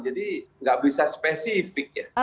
jadi gak bisa spesifik